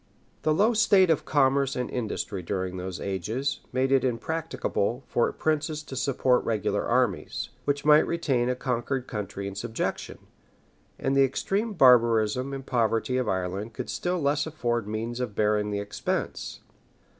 The low state of commerce and industry during those ages made it impracticable for princes to support regular armies, which might retain a conquered country in subjection; and the extreme barbarism and poverty of Ireland could still less afford means of bearing the expense.